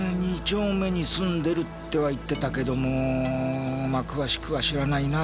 ２丁目に住んでるとは言ってたけども詳しくは知らないな。